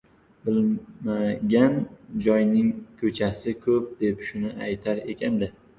Bilma- gan joyning ko‘chasi ko‘p, deb shuni aytar ekanda.